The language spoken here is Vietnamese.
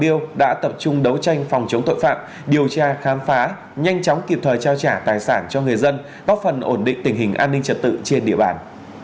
mục tiêu đã tập trung đấu tranh phòng chống tội phạm điều tra khám phá nhanh chóng kịp thời trao trả tài sản cho người dân góp phần ổn định tình hình an ninh trật tự trên địa bàn